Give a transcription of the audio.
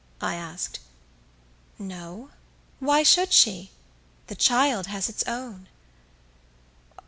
I asked. "No why should she? The child has its own."